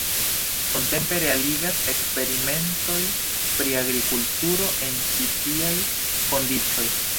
Nuntempe realigas eksperimentoj pri agrokulturo en ĉi tiaj kondiĉoj.